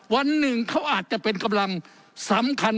วันหนึ่งเขาอาจจะเป็นกำลังสำคัญ